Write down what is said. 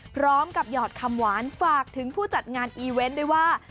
หยอดคำหวานฝากถึงผู้จัดงานอีเวนต์ด้วยว่า